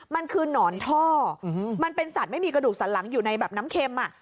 มันคือหนอนท่อมันเป็นสัตว์ไม่มีกระดูกสันหลังอยู่ในแบบน้ำเค็ม